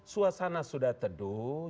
suasana sudah teduh